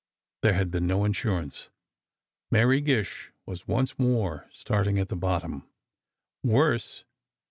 There had been no insurance. Mary Gish was once more starting at the bottom. Worse.